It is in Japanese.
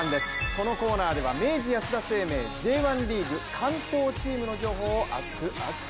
このコーナーでは明治安田生命Ｊ１リーグ関東チームの情報を熱く！